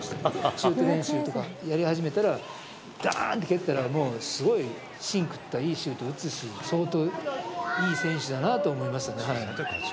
シュート練習とかやり始めたら、だーって蹴ったら、もうすごい芯食った、いいシュートを打つし、相当いい選手だなと思いましたね。